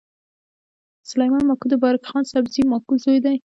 سلیمان ماکو د بارک خان سابزي ماکو زوی دﺉ.